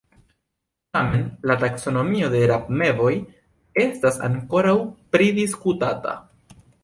Tamen la taksonomio de rabmevoj estas ankoraŭ pridisputata.